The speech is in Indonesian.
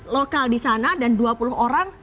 lokal di sana dan dua puluh orang